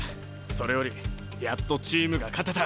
それよりやっとチームが勝てた。